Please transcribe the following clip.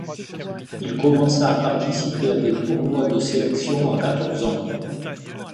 Il commença à participer à des tournois de sélection à quatorze ans.